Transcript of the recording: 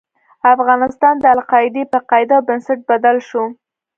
افغانستان د القاعدې په قاعده او بنسټ بدل شو.